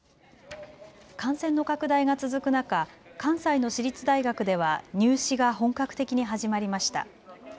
感染の拡大が続く中、関西の私立大学では入試が本格的に始まりました。